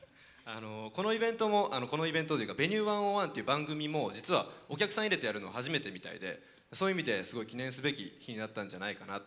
このイベントというか「Ｖｅｎｕｅ１０１」という番組も実はお客さん入れてやるの初めてみたいでそういう意味ですごい記念すべき日になったんじゃないかなと。